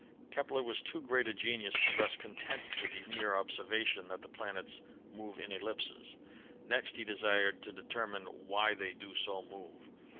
Kepler was too great a genius to rest content with the mere observation that the planets move in ellipses. Next he desired to determine why they do so move.